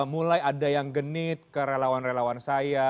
mulai ada yang genit ke relawan relawan saya